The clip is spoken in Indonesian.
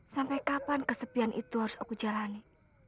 sampai kapan kesepian itu harus aku jalani